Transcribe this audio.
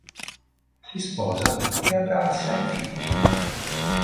Si sposa e avrà sei figli.